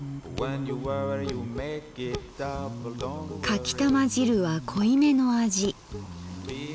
「かきたま汁は濃い目の味。